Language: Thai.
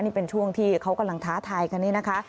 นี่เป็นช่วงที่เขากำลังท้าทายกันนี่นะคะ